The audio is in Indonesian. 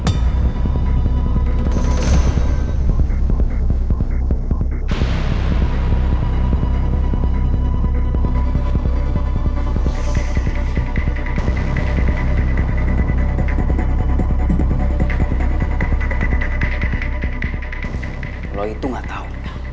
kalo itu gak tau